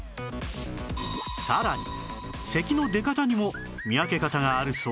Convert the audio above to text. さらに咳の出方にも見分け方があるそうです